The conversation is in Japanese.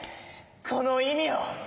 この意味を！